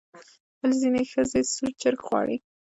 ولې ځینې ښځې سور چرګ غواړي؟